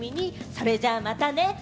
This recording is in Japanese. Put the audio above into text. それじゃ、またね！